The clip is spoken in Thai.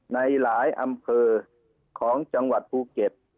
ในหลายอำเภอของจังหวัดภูเก็ต